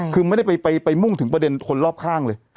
คือไม่ได้ไปมุ่งถึงประเด็นคนรอบข้างเลย